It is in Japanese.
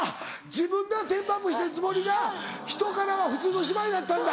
自分ではテンポアップしてるつもりがひとからは普通の芝居だったんだ。